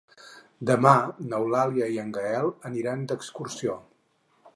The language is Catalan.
Demà n'Eulàlia i en Gaël aniran d'excursió.